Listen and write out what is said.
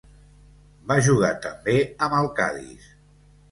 Va jugar també amb el Cadis.